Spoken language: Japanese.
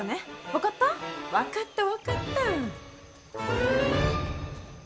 分かった分かった。